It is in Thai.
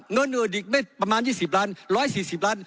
เงินเออดิกได้ประมาณยี่สิบล้านร้อยสี่สิบล้าน